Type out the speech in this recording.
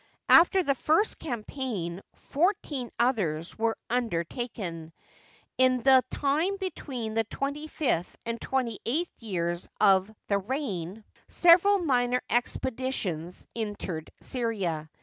After the first campaign, fourteen others were under taken. In the time between the twenty fifth and twenty eighth years of this reign several minor expeditions en tered Syria.